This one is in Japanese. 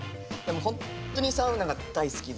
ホントにサウナが大好きで。